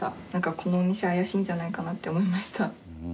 このお店怪しいんじゃないかなって思いました。